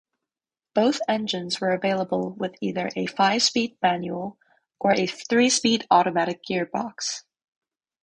Both engines were available with either a five-speed manual or a three-speed automatic gearbox.